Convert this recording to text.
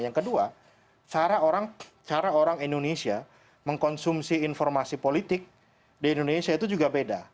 yang kedua cara orang indonesia mengkonsumsi informasi politik di indonesia itu juga beda